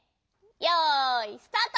よいスタート！